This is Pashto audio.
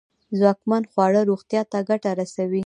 ځواکمن خواړه روغتیا ته گټه رسوي.